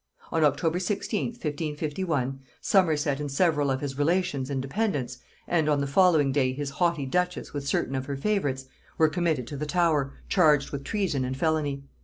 On October 16th 1551, Somerset and several of his relations and dependants, and on the following day his haughty duchess with certain of her favorites, were committed to the Tower, charged with treason and felony.